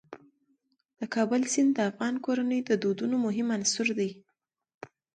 د کابل سیند د افغان کورنیو د دودونو مهم عنصر دی.